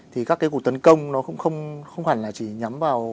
thì các cái cuộc tấn công nó không hẳn là chỉ nhắm vào